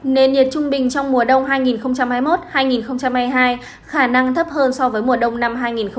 nền nhiệt trung bình trong mùa đông hai nghìn hai mươi một hai nghìn hai mươi hai khả năng thấp hơn so với mùa đông năm hai nghìn hai mươi hai nghìn hai mươi một